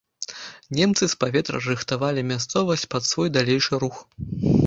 Немцы з паветра рыхтавалі мясцовасць пад свой далейшы рух.